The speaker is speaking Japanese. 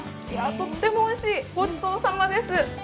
とってもおいしい、ごちそうさまです。